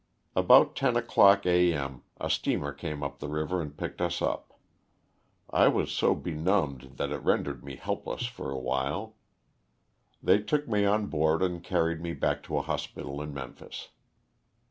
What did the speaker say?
About ten o'clock a. m. a steamer came up the river and picked us up. I was so benumbed that it rendered me helpless for awhile. They took me on board and carried me back to a hospital in Memphis.